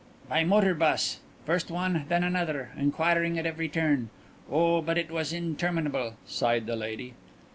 "By motor bus first one then another, inquiring at every turning. Oh, but it was interminable," sighed the lady.